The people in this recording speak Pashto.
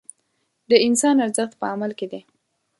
د انسان ارزښت په عمل کې دی.